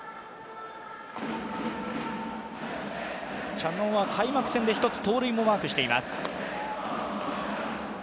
茶野は開幕戦で１つ盗塁をマークしています。